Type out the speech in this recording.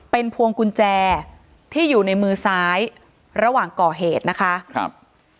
เป็นพวงกุญแจที่อยู่ในมือซ้ายระหว่างก่อเหตุนะคะครับ